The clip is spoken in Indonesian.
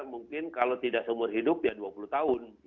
mungkin kalau tidak seumur hidup ya dua puluh tahun